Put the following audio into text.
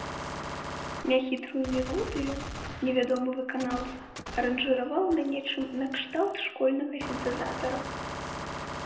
Няхітрую мелодыю невядомы выканаўца аранжыраваў на нечым накшталт школьнага сінтэзатара.